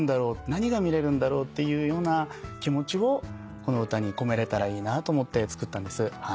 何が見れるんだろうっていうような気持ちをこの歌に込めれたらいいなと思って作ったんです。